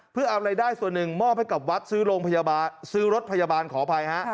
เพื่อเอารายได้ส่วนหนึ่งมอบให้กับวัดซื้อโรงพยาบาลซื้อรถพยาบาลขออภัยฮะ